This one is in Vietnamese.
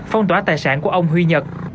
phong tỏa tài sản của ông huy nhật